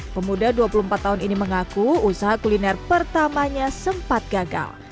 pemuda dua puluh empat tahun ini mengaku usaha kuliner pertamanya sempat gagal